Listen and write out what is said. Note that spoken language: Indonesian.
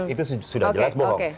itu sudah jelas bohong